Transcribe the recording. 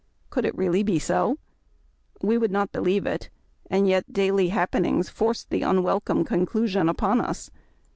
Could it really be so ? We would not believe it ; and yet daily happenings forced the unwelcome conclu sion upon us.